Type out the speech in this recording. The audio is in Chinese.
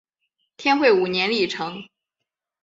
天会五年历成。